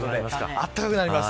あったかくなります。